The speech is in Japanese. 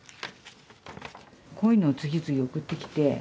こういうのを次々送ってきて。